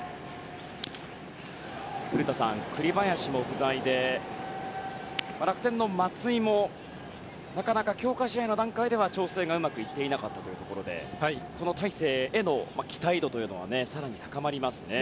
古田さん、栗林も不在で楽天の松井もなかなか強化試合の段階では調整がうまくいっていなかったということでこの大勢への期待度は更に高まりますね。